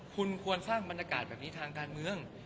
คุณควรสร้างบรรยากาศแบบนี้ทางการเมือง